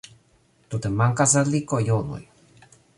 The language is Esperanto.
Tute mankas al li kojonoj